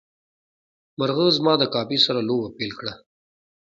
مرغه زما د کافي سره لوبه پیل کړه.